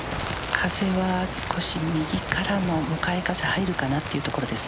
風はちょっと右からの向かい風入るかなというところです。